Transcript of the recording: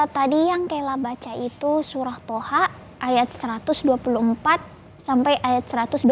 tadi yang kela baca itu surah toha ayat satu ratus dua puluh empat sampai ayat satu ratus dua belas